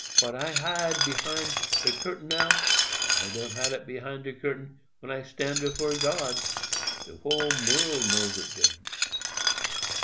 What I hide behind de curtain now, I can't hide it behind de curtain when I stand before God—de whole world know it den.